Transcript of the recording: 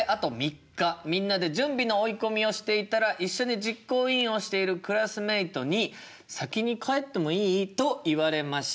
みんなで準備の追い込みをしていたら一緒に実行委員をしているクラスメートに「先に帰ってもいい？」と言われました。